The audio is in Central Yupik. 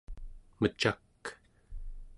mecak